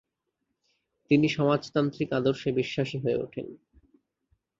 তিনি সমাজতান্ত্রিক আদর্শে বিশ্বাসী হয়ে উঠেন।